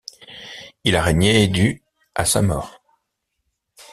Il a régné du à sa mort.